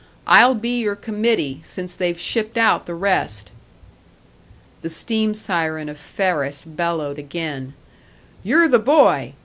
I'll be your committee, since they've shipped out the rest." The steam siren of Ferris bellowed again: "You're the boy!